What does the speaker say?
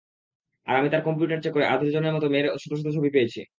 আর আমি তার computer check করে আধ-ডজনের মত মেয়ের শতশত ছবি পেয়েছি।